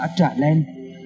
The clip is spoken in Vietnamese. xã trà leng